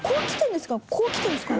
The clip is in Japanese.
こう来てるんですかね？